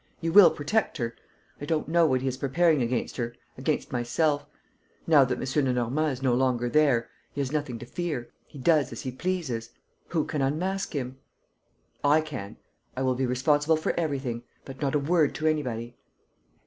You will protect her. ... I don't know what he is preparing against her, against myself. ... Now that M. Lenormand is no longer there, he has nothing to fear, he does as he pleases. Who can unmask him?" "I can. I will be responsible for everything. But not a word to anybody."